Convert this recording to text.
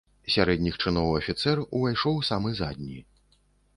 Сярэдніх чыноў афіцэр увайшоў самы задні.